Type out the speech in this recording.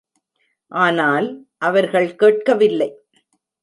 ஆனால், அவர்கள் கேட்கவில்லை.